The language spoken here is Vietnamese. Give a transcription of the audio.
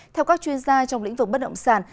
theo các chuyên gia trong lĩnh vực bất động sản